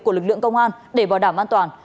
của lực lượng công an để bảo đảm an toàn